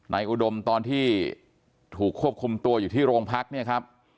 นายอุดมทร์ตอนที่ถูกควบคุมตัวอยู่ที่โรงพรรค